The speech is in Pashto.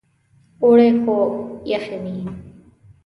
اوړی و خو یخې وې.